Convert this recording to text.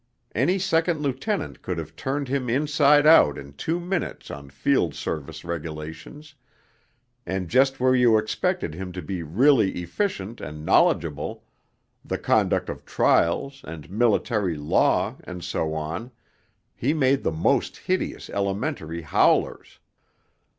Any second lieutenant could have turned him inside out in two minutes on Field Service Regulations, and just where you expected him to be really efficient and knowledgeable, the conduct of trials, and Military Law, and so on, he made the most hideous elementary howlers.